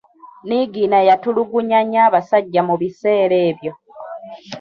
Niigiina yatulugunya nnyo abasajja mu biseera ebyo.